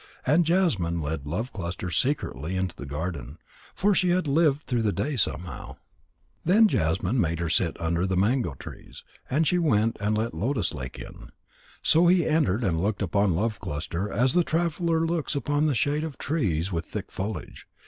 And Jasmine led Love cluster secretly into the garden, for she had lived through the day somehow. Then Jasmine made her sit down under the mango trees, while she went and let Lotus lake in. So he entered and looked upon Love cluster as the traveller looks upon the shade of trees with thick foliage.